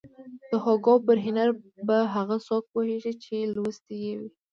د هوګو پر هنر به هغه څوک پوهېږي چې لوستی يې وي.